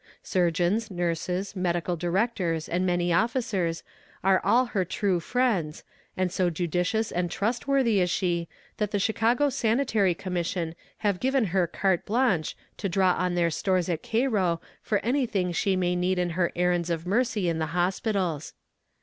"Surgeons, nurses, medical directors, and army officers, are all her true friends, and so judicious and trustworthy is she, that the Chicago Sanitary Commission have given her carte blanche to draw on their stores at Cairo for anything she may need in her errands of mercy in the hospitals.